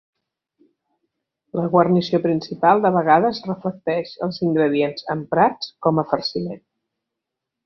La guarnició principal de vegades reflecteix els ingredients emprats com a farciment.